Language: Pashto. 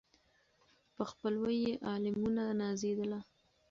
په خپلوي یې عالمونه نازېدله